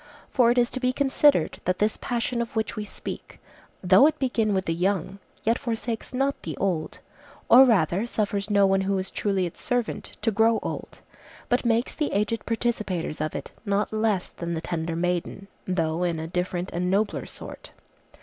For it is to be considered that this passion of which we speak, though it begin with the young, yet forsakes not the old, or rather suffers no one who is truly its servant to grow old, but makes the aged participators of it not less than the tender maiden, though in a different and nobler sort.